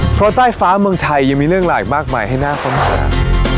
เพราะใต้ฟ้าเมืองไทยยังมีเรื่องหลายมากมายให้น่าค้นหา